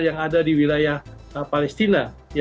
yang ada di wilayah palestina